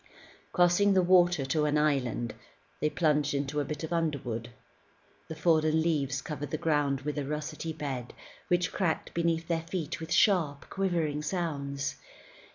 Crossing the water to an island, they plunged into a bit of underwood. The fallen leaves covered the ground with a russety bed which cracked beneath their feet with sharp, quivering sounds.